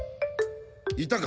いたか？